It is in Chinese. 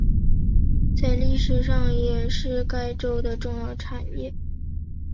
在历史上也是该州的重要产业。